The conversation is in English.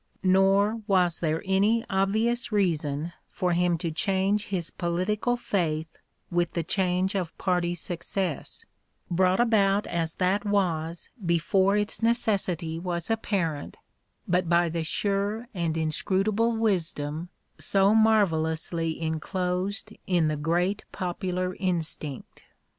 Nor was there any obvious reason for him to change his political faith with the change of party success, brought about as that was before its necessity was apparent but by the sure and inscrutable wisdom so marvellously enclosed in the great popular instinct.